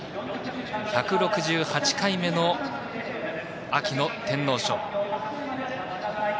１６８回目の秋の天皇賞。